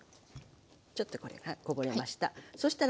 ちょっとこれがこぼれました。